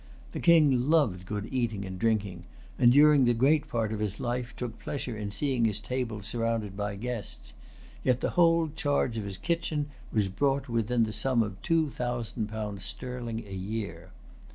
The King loved good eating and drinking, and during great part of his life took pleasure in seeing his table surrounded by guests; yet the whole charge of his kitchen was brought within the sum of two thousand pounds sterling a year.